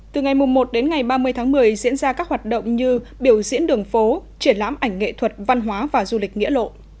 từ ngày một đến ngày ba mươi tháng một mươi diễn ra các hoạt động như biểu diễn đường phố triển lãm ảnh nghệ thuật văn hóa và du lịch nghĩa lộ